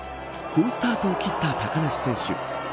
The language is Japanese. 好スタートを切った高梨選手。